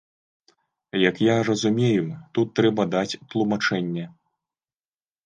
Як я разумею, тут трэба даць тлумачэнне.